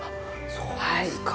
そうですか。